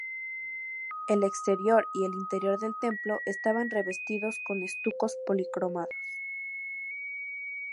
El exterior y el interior del templo estaban revestidos con estucos policromados.